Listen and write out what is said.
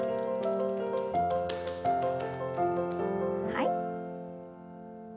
はい。